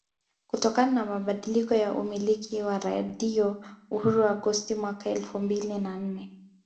Kutokana na mabadiliko ya umiliki wa Radio Uhuru Agosti mwaka elfu mbili na nne